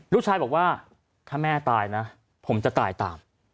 ลูกชายบอกว่าถ้าแม่ตายนะผมจะตายตาม